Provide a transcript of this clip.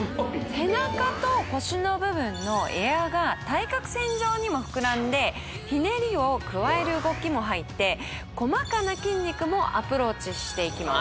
背中と腰の部分のエアーが対角線上にもふくらんでひねりを加える動きも入って細かな筋肉もアプローチしていきます